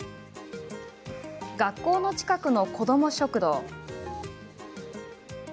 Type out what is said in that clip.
学校の近くの、こども食堂。